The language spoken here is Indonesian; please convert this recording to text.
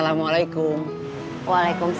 kamu ditangkap tangan